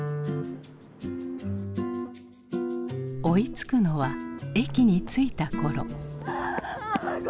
追いつくのは駅に着いた頃。